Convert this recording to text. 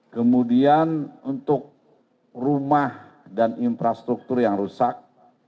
kemudian untuk rumah dan infrastruktur yang rusak